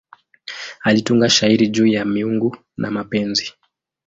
Alitunga shairi juu ya miungu na mapenzi.